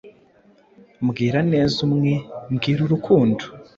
Mbwira Neza Umwe, mbwira Urukundo